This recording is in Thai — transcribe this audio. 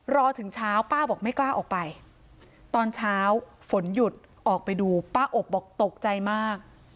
ถึงเช้าป้าบอกไม่กล้าออกไปตอนเช้าฝนหยุดออกไปดูป้าอบบอกตกใจมาก